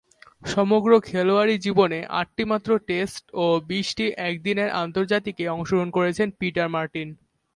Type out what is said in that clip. সমগ্র খেলোয়াড়ী জীবনে আটটিমাত্র টেস্ট ও বিশটি একদিনের আন্তর্জাতিকে অংশগ্রহণ করেছেন পিটার মার্টিন।